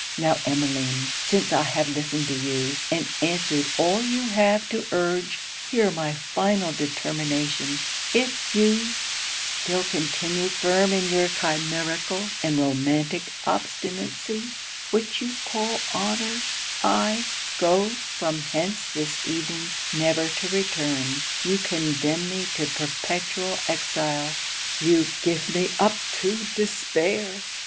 Now Emmeline, since I have listened to you, and answered all you have to urge, hear my final determination If you still continue firm in your chimerical and romantic obstinacy, which you call honour, I go from hence this evening, never to return you condemn me to perpetual exile you give me up to despair!'